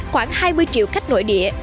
khoảng hai mươi triệu khách nội địa